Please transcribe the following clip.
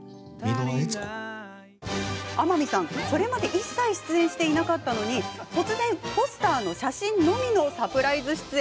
天海さん、それまで一切出演していなかったのに突然ポスターの写真のみのサプライズ出演。